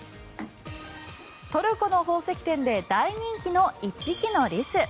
トルコの宝石店で大人気の１匹のリス。